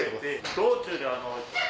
道中で。